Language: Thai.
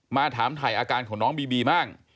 มาถามถ่ายอาการของน้องบีบีบ้าง